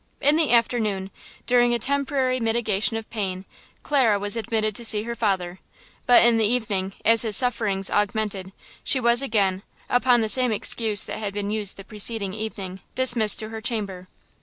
In the afternoon, during a temporary mitigation of pain, Clara was admitted to see her father. But in the evening, as his sufferings augmented, she was again, upon the same excuse that had been used the preceding evening, dismissed to her chamber.